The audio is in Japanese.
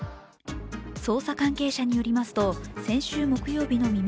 捜査関係者によりますと、先週木曜日の未明